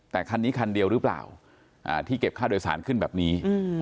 แต่คันนี้คันเดียวหรือเปล่าที่เก็บค่าโดยสารขึ้นแบบนี้